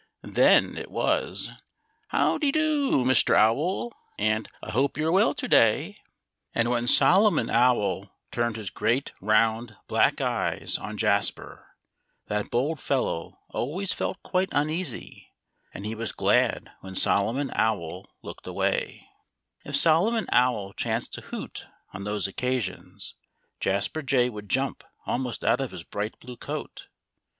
Then it was "How dy do, Mr. Owl!" and "I hope you're well to day!" And when Solomon Jasper, that bold fellow always felt quite uneasy; and he was glad when Solomon Owl looked away. If Solomon Owl chanced to hoot on those occasions, Jasper Jay would jump almost out of his bright blue coat.